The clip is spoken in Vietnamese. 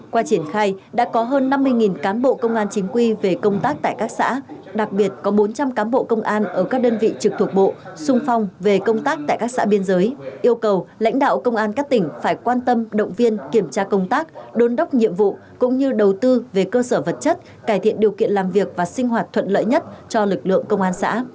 qua triển khai đã có hơn năm mươi cán bộ công an chính quy về công tác tại các xã đặc biệt có bốn trăm linh cán bộ công an ở các đơn vị trực thuộc bộ sung phong về công tác tại các xã biên giới yêu cầu lãnh đạo công an các tỉnh phải quan tâm động viên kiểm tra công tác đôn đốc nhiệm vụ cũng như đầu tư về cơ sở vật chất cải thiện điều kiện làm việc và sinh hoạt thuận lợi nhất cho lực lượng công an xã